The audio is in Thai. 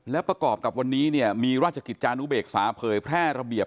และประกอบกับวันนี้เนี่ยมีราชกิจจานุเบกษาเผยแพร่ระเบียบ